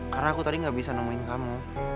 karena aku tadi gak bisa nemuin kamu